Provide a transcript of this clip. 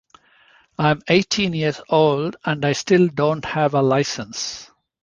I am eighteen years old and I still don't have a license.